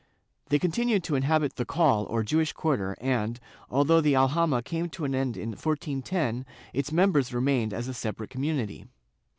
They continued to inhabit the call, or Jewish quarter and, although the aljama came to an end in 1410, its members remained as a separate community.